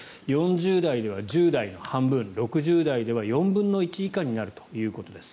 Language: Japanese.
４０代では１０代の半分６０代では４分の１以下になるということです。